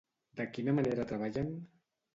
De quina manera treballen?